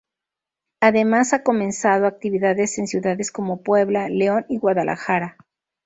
Además ha comenzado actividades en ciudades como Puebla, León y Guadalajara.